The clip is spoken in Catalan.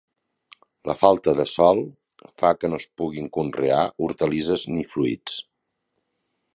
La falta de sòl fa que no es puguin conrear hortalisses ni fruits.